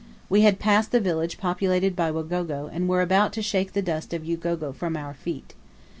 We had passed the village populated by Wagogo, and were about to shake the dust of Ugogo from our feet.